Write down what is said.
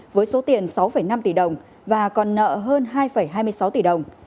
với số tiền sáu năm tỷ đồng và còn nợ hơn hai hai mươi sáu tỷ đồng